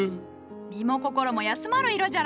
身も心も休まる色じゃろう。